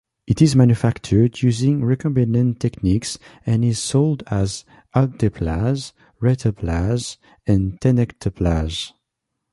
It is manufactured using recombinant techniques and is sold as alteplase, reteplase, and tenecteplase.